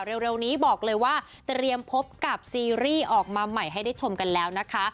เร็วนี้บอกเลยว่าเตรียมพบกับซีรีส์ออกมาใหม่ให้ได้ชมกันแล้วนะคะ